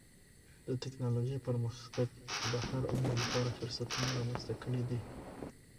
د ټکنالوجۍ پرمختګ د هر عمر لپاره فرصتونه رامنځته کړي دي.